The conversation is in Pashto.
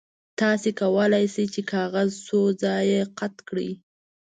تاسو کولی شئ چې کاغذ څو ځایه قات کړئ.